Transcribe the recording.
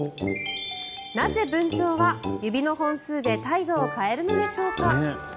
なぜブンチョウは指の本数で態度を変えるのでしょうか。